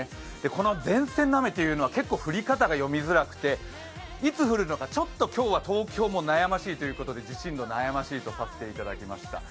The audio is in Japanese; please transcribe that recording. この前線の雨というのは結構、降り方が読みづらくていつ降るのか、ちょっと今日は東京も悩ましく、自信度、悩ましいと確定いただきました。